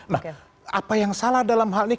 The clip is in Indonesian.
nah apa yang salah dalam hal ini